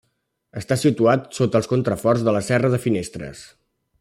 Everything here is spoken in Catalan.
Està situat sota els contraforts de la Serra de Finestres.